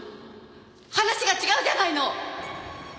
話が違うじゃないの！